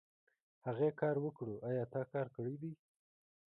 هغې کار وکړو ايا تا کار کړی دی ؟